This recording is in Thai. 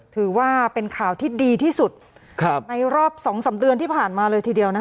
ถือว่าเป็นข่าวที่ดีที่สุดในรอบ๒๓เดือนที่ผ่านมาเลยทีเดียวนะคะ